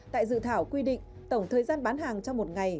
tại dự thảo quy định tổng thời gian bán hàng trong một ngày